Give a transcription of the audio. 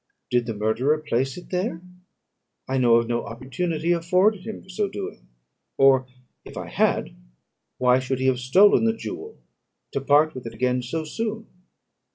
Did the murderer place it there? I know of no opportunity afforded him for so doing; or, if I had, why should he have stolen the jewel, to part with it again so soon?